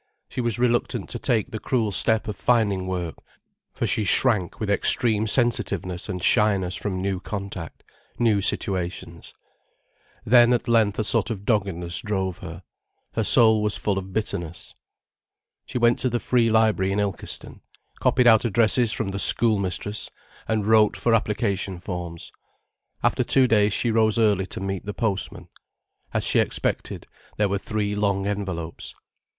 She was reluctant to take the cruel step of finding work, for she shrank with extreme sensitiveness and shyness from new contact, new situations. Then at length a sort of doggedness drove her. Her soul was full of bitterness. She went to the Free Library in Ilkeston, copied out addresses from the Schoolmistress, and wrote for application forms. After two days she rose early to meet the postman. As she expected, there were three long envelopes.